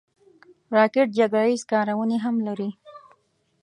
راکټ جګړه ییز کارونې هم لري